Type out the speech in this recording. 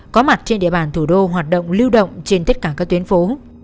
có mặt trên địa bàn thủ đô hoạt động lưu động trên tất cả các tuyến phố